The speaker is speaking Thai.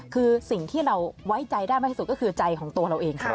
คือสิ่งที่เราไว้ใจได้มากที่สุดก็คือใจของตัวเราเองค่ะ